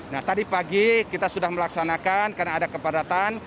nah tadi pagi kita sudah melaksanakan karena ada kepadatan